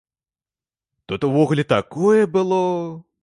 Тут увогуле такое было.